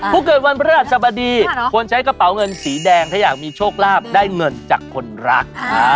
ผู้เกิดวันพระราชสบดีคนใช้กระเป๋าเงินสีแดงถ้าอยากมีโชคลาภได้เงินจากคนรัก